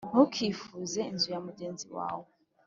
Ntukifuze inzu ya mugenzi wawe.